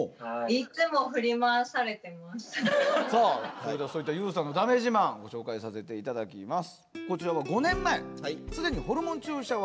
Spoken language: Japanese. それではそういったゆうさんのだめ自慢ご紹介させていただきます。